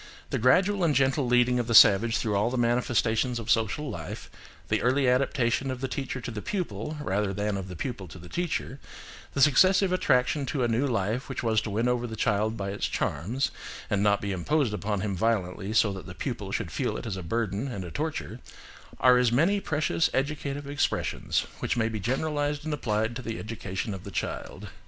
The gradual and gentle leading of the savage through all the manifestations of social life, the early adaptation of the teacher to the pupil rather than of the pupil to the teacher, the successive attraction to a new life which was to win over the child by its charms, and not be imposed upon him violently so that the pupil should feel it as a burden and a torture, are as many precious educative expressions which may be generalised and applied to the education of children.